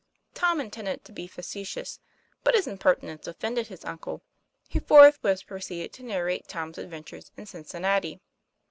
Tom intended to be facetious, but his impertinence offended his uncle, who forthwith proceeded to nar rate Tom's adventures in Cincinnati.